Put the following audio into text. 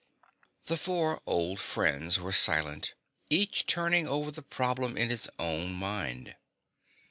The four old friends were silent, each turning over the problem in his own mind.